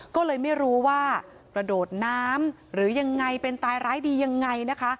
ก็เลยไม่รู้ว่ากระโดดน้ำหรือยังไงเป็นตายร้ายดียังไงนะคะ